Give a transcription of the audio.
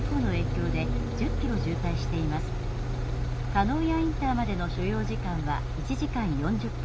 叶谷インターまでの所要時間は１時間４０分」。